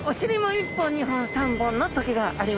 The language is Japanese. １本２本３本の棘があります。